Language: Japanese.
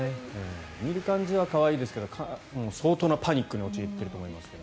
見る感じは可愛いですけど相当なパニックに陥っていると思いますけど。